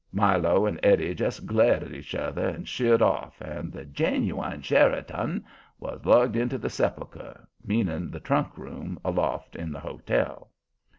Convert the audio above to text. Milo and Eddie just glared at each other and sheered off, and the "ginuwine Sheriton" was lugged into the sepulchre, meaning the trunk room aloft in the hotel.